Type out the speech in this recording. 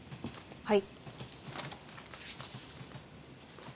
はい。